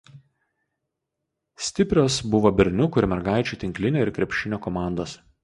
Stiprios buvo berniukų ir mergaičių tinklinio ir krepšinio komandos.